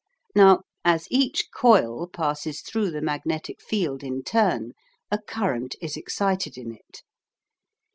Now, as each coil passes through the magnetic field in turn, a current is excited in it.